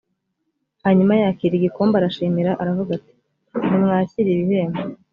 hanyuma yakira igikombe arashimira aravuga ati nimwakire ibihembo